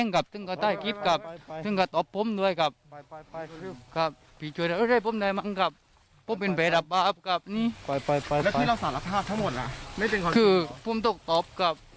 กับนี้ไปไปไปแล้วก็ให้รอสารภาพทั้งหมดอ่ะไม่เป็นตรงนี้คือส่วนตกตอบกับ